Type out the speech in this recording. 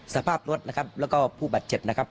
สภาพรถนะครับแล้วก็ผู้บาดเจ็บนะครับ